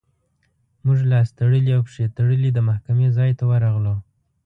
موږ لاس تړلي او پښې تړلي د محکمې ځای ته ورغلو.